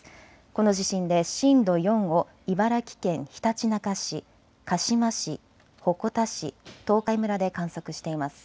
この地震で震度４を茨城県ひたちなか市、鹿嶋市、鉾田市、東海村で観測しています。